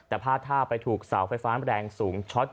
แต่พาดท่าไปถูกเสาไฟฟ้าแรงสูงช็อต